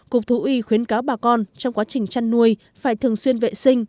cục thú y khuyến cáo bà con trong quá trình chăn nuôi phải thường xuyên vệ sinh